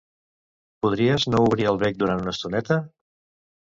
Podries no obrir el bec durant una estoneta?